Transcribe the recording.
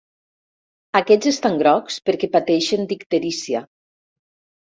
Aquests estan grocs perquè pateixen d'icterícia.